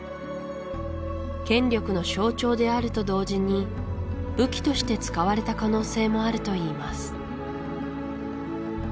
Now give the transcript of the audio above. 権力の象徴であると同時に武器として使われた可能性もあるといいます